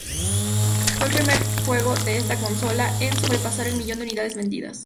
Fue el primer juego de esta consola en sobrepasar el millón de unidades vendidas.